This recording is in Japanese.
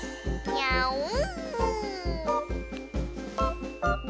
ニャオーン。